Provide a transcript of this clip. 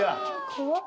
怖っ！